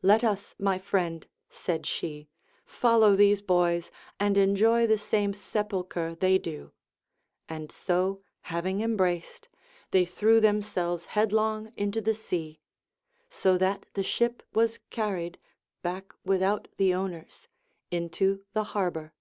"Let us, my friend," said she, "follow these boys, and enjoy the same sepulchre they do"; and so, having embraced, they threw themselves headlong into the sea; so that the ship was carried back without the owners into the harbour.